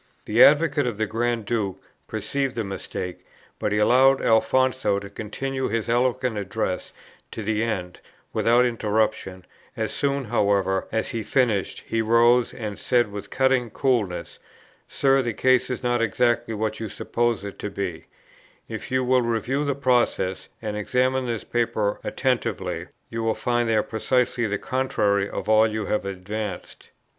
The advocate of the Grand Duke perceived the mistake, but he allowed Alfonso to continue his eloquent address to the end without interruption; as soon, however, as he had finished, he rose, and said with cutting coolness, 'Sir, the case is not exactly what you suppose it to be; if you will review the process, and examine this paper attentively, you will find there precisely the contrary of all you have advanced.'